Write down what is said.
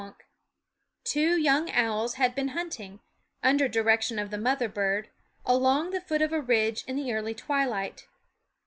f/nkWunk Two young owls had begun hunting, under direction of the mother bird, along the foot of a ridge in the early twilight.